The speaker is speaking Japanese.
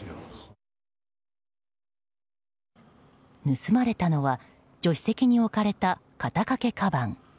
盗まれたのは助手席に置かれた肩掛けかばん。